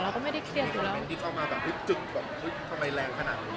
เราก็ไม่ได้เครียดอยู่แล้ว